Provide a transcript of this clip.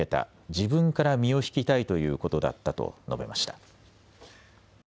自分から身をひきたいということだったと述べました。